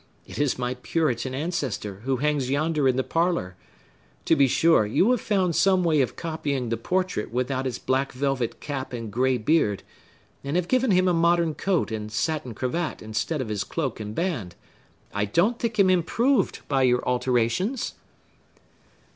It is my Puritan ancestor, who hangs yonder in the parlor. To be sure, you have found some way of copying the portrait without its black velvet cap and gray beard, and have given him a modern coat and satin cravat, instead of his cloak and band. I don't think him improved by your alterations."